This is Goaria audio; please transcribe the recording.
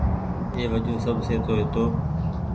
اي وجون سب سهيتو هيتو۔